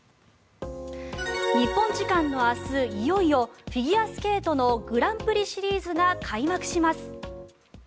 日本時間の明日、いよいよフィギュアスケートのグランプリシリーズが開幕します。